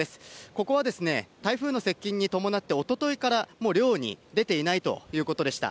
ここは台風の接近に伴っておとといからも雨量に出ていないということでした。